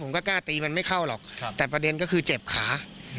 กล้าตีมันไม่เข้าหรอกแต่ประเด็นก็คือเจ็บขา